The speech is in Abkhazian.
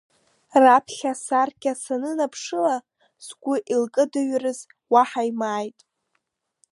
Раԥхьа асаркьа санынанԥшыла сгәы илкыдыҩрыз уаҳа имааит.